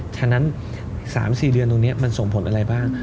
ฉะนั้น๓๔เดือนตรงนี้มันส่งผลอะไรบ้าง